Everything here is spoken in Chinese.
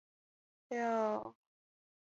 小虾花为爵床科尖尾凤属下的一个种。